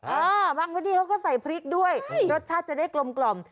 บางพื้นที่เขาก็ใส่พริกด้วยรสชาติจะได้กลมกล่อม